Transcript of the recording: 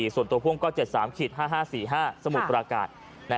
ส่วนตัวพ่วงก็๗๓๕๕๔๕สมุทรปราการ